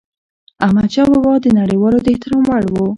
احمدشاه بابا د نړيوالو د احترام وړ و.